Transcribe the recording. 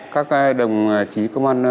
các đồng chí công an